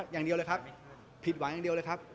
อย่างเดียวเลยครับผิดหวังอย่างเดียวเลยครับ